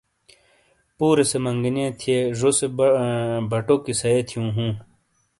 پورے سے منگنئیے تھے ژوسے بَٹو کیسائے تھیوں ہوں